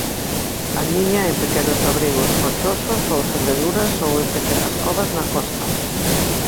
Aniña en pequenos abrigos rochosos ou en fendeduras ou en pequenas covas na costa.